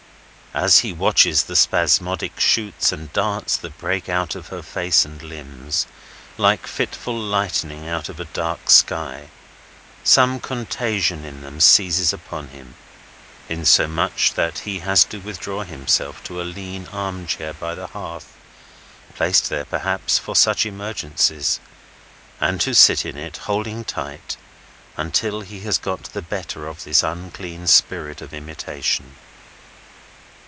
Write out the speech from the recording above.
As he watches the spasmodic shoots and darts that break out of her face and limbs, like fitful lightning out of a dark sky, some contagion in them seizes upon him: insomuch that he has to withdraw himself to a lean arm chair by the hearth—placed there, perhaps, for such emergencies—and to sit in it, holding tight, until he has got the better of this unclean spirit of imitation.